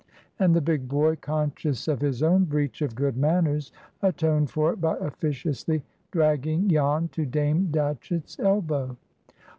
And the big boy, conscious of his own breach of good manners, atoned for it by officiously dragging Jan to Dame Datchett's elbow.